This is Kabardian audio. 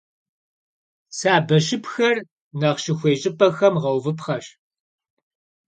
Сабэщыпхэр нэхъ щыхуей щӀыпӀэхэм гъэувыпхъэщ.